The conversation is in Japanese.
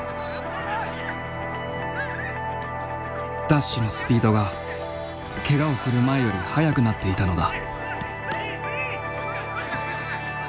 ダッシュのスピードがけがをする前より速くなっていたのだ。